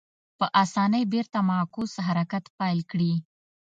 په اسانۍ بېرته معکوس حرکت پیل کړي.